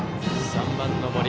３番の森。